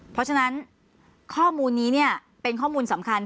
เพราะฉะนั้นข้อมูลนี้เป็นข้อมูลสำคัญ